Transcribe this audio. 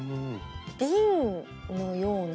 瓶のような。